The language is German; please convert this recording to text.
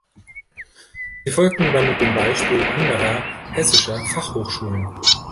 Sie folgten damit dem Beispiel anderer hessischer Fachhochschulen.